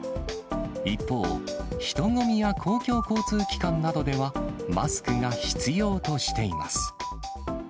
一方、人混みや公共交通機関などではマスクが必要としています。